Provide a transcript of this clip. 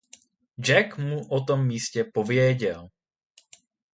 Jack mu o tom místě pověděl.